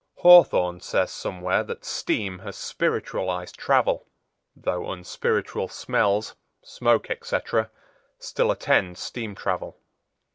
Hawthorne says somewhere that steam has spiritualized travel; though unspiritual smells, smoke, etc., still attend steam travel.